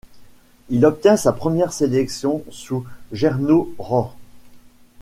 Il obtient sa première sélection sous Gernot Rohr.